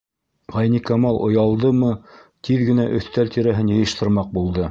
Ғәйникамал оялдымы, тиҙ генә өҫтәл тирәһен йыйыштырмаҡ булды.